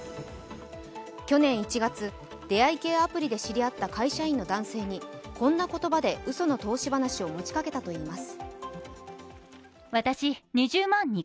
去年１月、出会い系アプリで知り合った会社員の男性にこんな言葉で嘘の投資話を持ちかけたといいます。